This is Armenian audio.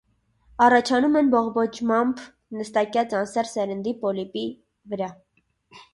Առաջանում են բողբոջմամբ, նստակյաց անսեռ սերնդի՝ պոլիպի վրա։